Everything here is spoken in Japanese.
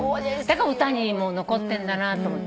だから歌にも残ってんだなと。